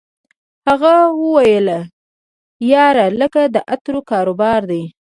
هغه ویل یار لکه د عطرو کاروبار دی